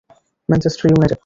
Manchester United